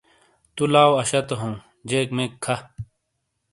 تُو لاؤ اَشاتو ہَوں۔ جیک میک کھہ۔